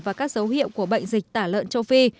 và các dấu hiệu của bệnh dịch tả lợn châu phi